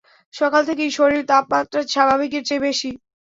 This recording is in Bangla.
সকাল থেকেই শরীর তাপমাত্রা স্বাভাবিকের চেয়ে বেশি।